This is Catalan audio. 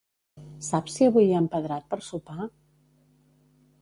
Saps si avui hi ha empedrat per sopar?